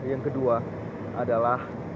yang kedua adalah